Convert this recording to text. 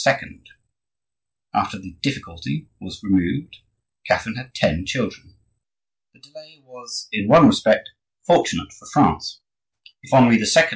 After the difficulty was removed, Catherine had ten children. The delay was, in one respect, fortunate for France. If Henri II.